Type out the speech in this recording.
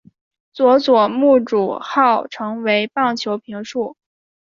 佐佐木主浩成为棒球评述。